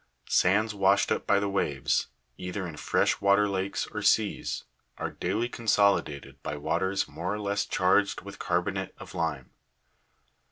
31. Sands washed up by waves, either in fresh water lakes or seas, are daily consolidated by waters more or less charged with carbonate of lime.